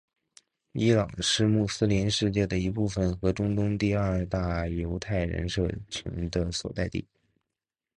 伊朗是穆斯林世界的一部分和中东第二大犹太人社群的所在地。